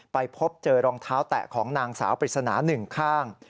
ไปพบเจอรองเท้าแตะของนางสาวปริศนาหนึ่งข้าง